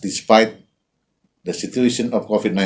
meskipun situasi pandemi covid sembilan belas